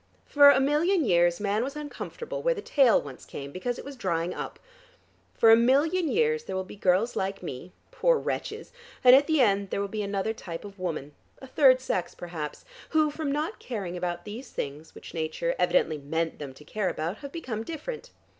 For a million years man was uncomfortable where the tail once came, because it was drying up. For a million years there will be girls like me, poor wretches, and at the end there will be another type of woman, a third sex, perhaps, who from not caring about these things which Nature evidently meant them to care about have become different.